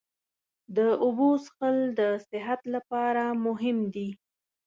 د اوبو څښل د صحت لپاره مهم دي.